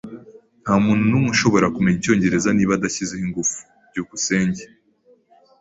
Ntamuntu numwe ushobora kumenya icyongereza niba adashyizeho ingufu. byukusenge